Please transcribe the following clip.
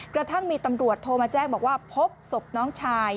กระทั่งมีตำรวจโทรมาแจ้งบอกว่าพบศพน้องชาย